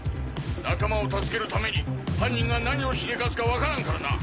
仲間を助けるために犯人が何をしでかすかわからんからな！